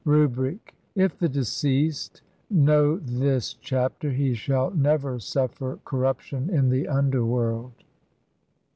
Rubric : if [the deceased] know this chapter, he shall never SUFFER CORRUPTION IN THE UNDERWORLD.